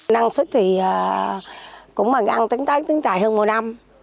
năng suất thì cũng bằng ăn tính tái tính tài hơn một năm